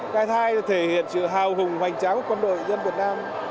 cái thai thể hiện sự hào hùng hoành tráng của quân đội dân việt nam